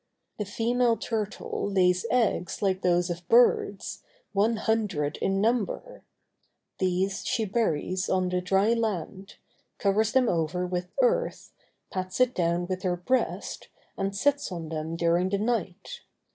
The female turtle lays eggs like those of birds, one hundred in number; these she buries on the dry land, covers them over with earth, pats it down with her breast, and sits on them during the night.